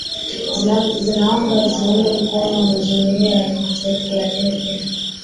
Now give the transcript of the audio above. zinaomba ziuungwe mkono naa jumuiya ya kimataifa lakini pia